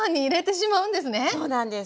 そうなんです。